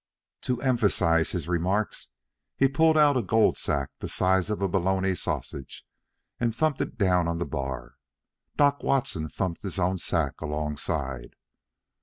To emphasize his remarks, he pulled out a gold sack the size of a bologna sausage and thumped it down on the bar. Doc Watson thumped his own sack alongside.